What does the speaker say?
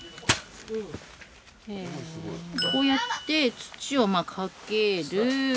こうやって土をまあかける。